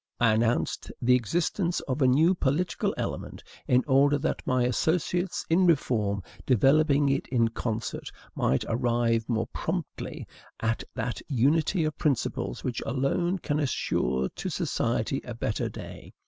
I announced the existence of a new political element, in order that my associates in reform, developing it in concert, might arrive more promptly at that unity of principles which alone can assure to society a better day.